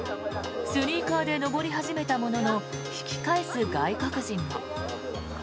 スニーカーで登り始めたものの引き返す外国人も。